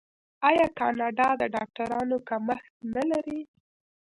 آیا کاناډا د ډاکټرانو کمښت نلري؟